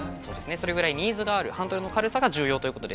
それぐらいニーズがあるハンドルの軽さが重要ということです。